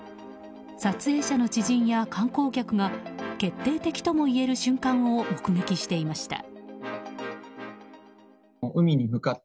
撮影者の知人や観光客が決定的ともいえる瞬間を目撃していました。